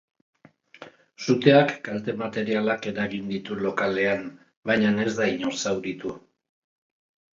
Suteak kalte materialak eragin ditu lokalean, baina ez da inor zauritu.